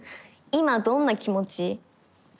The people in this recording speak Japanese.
「いまどんな気持ち？」。